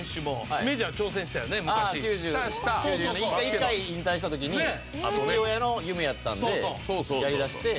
一回引退した時に父親の夢やったんでやりだして。